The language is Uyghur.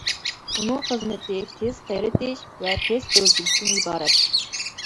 ئۇنىڭ خىزمىتى تىز قېرىتىش ۋە تىز ئۆلتۈرۈشتىن ئىبارەت.